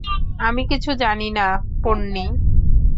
আমি কিছু জানি না, পোন্নি।